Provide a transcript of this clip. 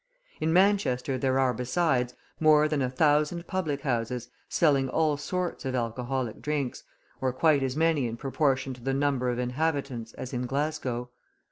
In Manchester there are, besides, more than a thousand public houses selling all sorts of alcoholic drinks, or quite as many in proportion to the number of inhabitants as in Glasgow.